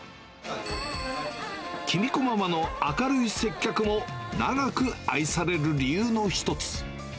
喜美子ママの明るい接客も長く愛される理由の一つ。